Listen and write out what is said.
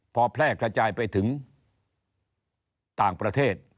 พอแพร่กระจายไปถึงต่างประเทศ